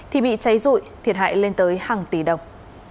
thì bị cháy rụi thiệt hại lên tới hàng tỷ đồng